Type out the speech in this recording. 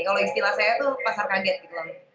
kalau istilah saya tuh pasar kaget gitu loh